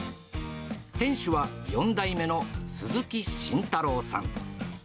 店主は、４代目の鈴木慎太郎さん。